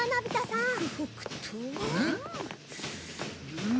うん。